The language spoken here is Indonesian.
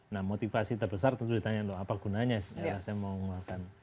nah motivasi terbesar tentu ditanya loh apa gunanya saya mau mengeluarkan